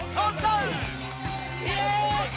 イエーイ！